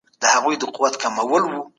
ستاسو څېړنه باید د ټولني ستونزه حل کړي.